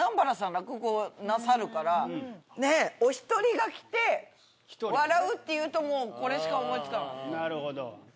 落語なさるからお１人が来て笑うっていうとこれしか思い付かなかった。